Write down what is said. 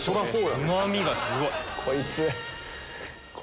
うまみがすごい！